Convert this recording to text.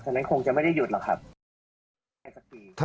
นั้นคงจะไม่ได้หยุดหรอกครับ